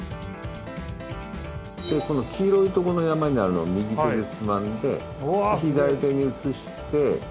この黄色いとこの山にあるのを右手でつまんで左手に移して。